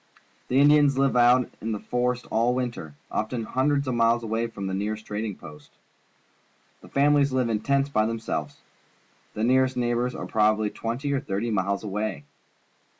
The Indians hve out in the forest all winter, often hundreds of miles away from the nearest trading post. The families live in tents by themselves. The nearest neigh bours are probably twenty or thirty miles away.